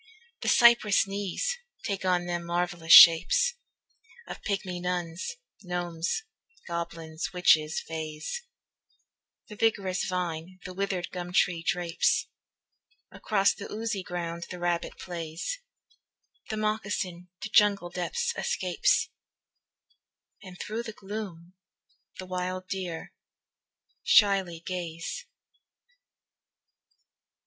The cypress knees take on them marvellous shapes Of pygmy nuns, gnomes, goblins, witches, fays, The vigorous vine the withered gum tree drapes, Across the oozy ground the rabbit plays, The moccasin to jungle depths escapes, And through the gloom the wild deer shyly gaze.